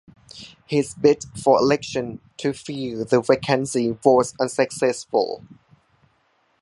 His bid for election to fill the vacancy was unsuccessful.